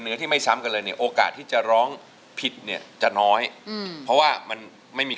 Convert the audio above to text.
เมื่อกี้น่าจะจบเพลงไป๒รอบ